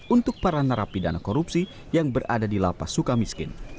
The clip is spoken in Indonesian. untuk para narapidana korupsi yang berada di lapas suka miskin